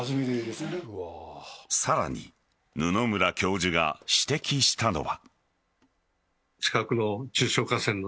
さらに布村教授が指摘したのは。